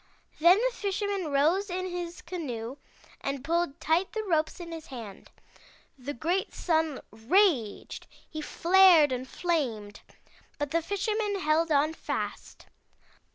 Then the Fisherman rose in his canoe, and pulled tight the ropes in his hand. The great Sun raged! He flared and flamed, but the Fisherman held on fast.